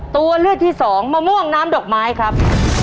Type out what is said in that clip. ตัวเลือกที่สองมะม่วงน้ำดอกไม้ครับ